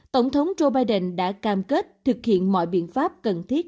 tổng thống joe biden đã cam kết thực hiện mọi biện pháp cần thiết